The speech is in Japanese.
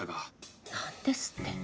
何ですって？